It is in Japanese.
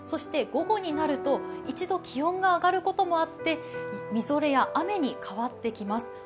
午後になると、一度気温が上がることもあって、みぞれや雨に変わってきます。